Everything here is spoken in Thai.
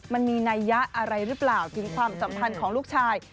มันมีนัยยะอะไรรึเปล่าถึงความสำคัญของลูกชาย